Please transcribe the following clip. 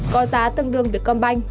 có giá tương đương việt con bành